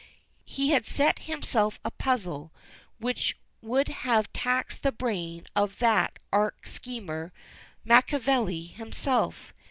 He had set himself a puzzle which would have taxed the brain of that arch schemer Machiavelli himself.